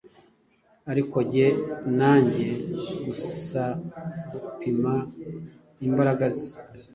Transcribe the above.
Ariko njye na njye gusagupima imbaraga ze